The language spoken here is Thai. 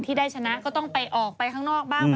ที่ได้ชนะก็ต้องไปออกไปข้างนอกบ้าง